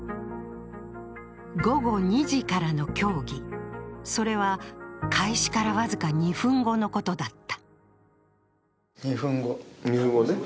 午後２時からの協議、それは開始から僅か２分後のことだった。